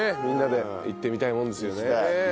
みんなで行ってみたいものですよね。